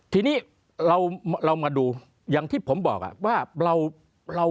ทีนี้เรามาดูอย่างที่ผมบอกว่าเรา